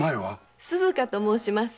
鈴華と申します。